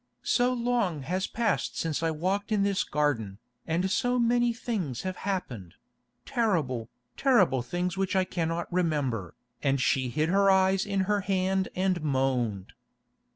So long has passed since I walked in this garden, and so many things have happened—terrible, terrible things which I cannot remember," and she hid her eyes in her hand and moaned.